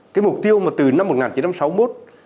cái mục tiêu mà từ năm một nghìn chín trăm sáu mươi một